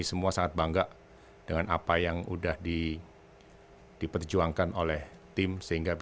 semua orang mempunyai kepentingan